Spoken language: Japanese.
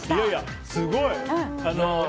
すごい！